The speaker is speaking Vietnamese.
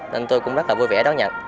nên tôi cũng rất là vui vẻ đón nhận